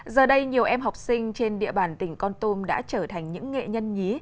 giờ đây nhiều em học sinh trên địa bàn tỉnh con tum đã trở thành những nghệ nhân nhí